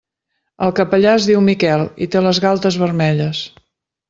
El capellà es diu Miquel i té les galtes vermelles.